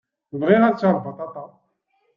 Bɣiɣ ad ččeɣ lbaṭaṭa.